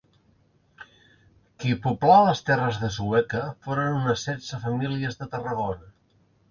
Qui poblà les terres de Sueca foren unes setze famílies de Tarragona.